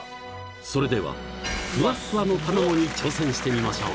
それでは、ふわっふわの卵に挑戦してみましょう。